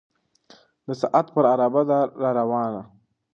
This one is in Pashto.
د ساعت پر عرابه ده را روانه